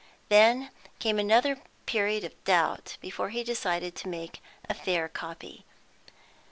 Then came another period of doubt before he decided to make a fair copy.